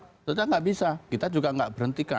itu tidak bisa kita juga tidak berhentikan